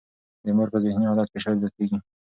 د مور پر ذهني حالت فشار زیاتېږي.